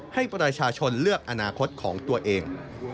ให้ประชาชนเลือกอนาคตของตัวเอง